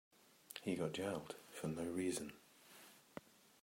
He got jailed for no reason.